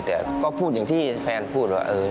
แต่ก็พูดอย่างที่แฟนพูดว่า